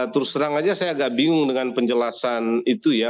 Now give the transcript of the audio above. terus terang aja saya agak bingung dengan penjelasan itu ya